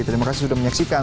terima kasih sudah menyaksikan